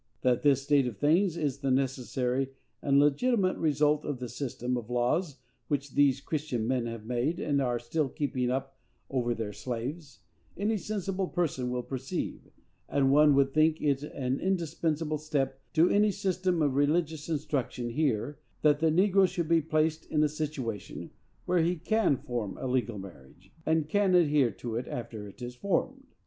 That this state of things is the necessary and legitimate result of the system of laws which these Christian men have made and are still keeping up over their slaves, any sensible person will perceive; and any one would think it an indispensable step to any system of religious instruction here, that the negro should be placed in a situation where he can form a legal marriage, and can adhere to it after it is formed.